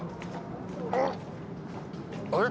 うっあれ？